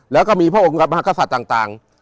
แล้วก็มีพระองค์กับมหากษัตริย์ต่าง